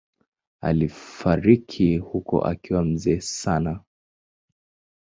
Alifariki huko akiwa mzee sana.